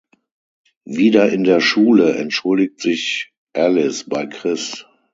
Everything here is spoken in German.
Wieder in der Schule entschuldigt sich Alice bei Chris.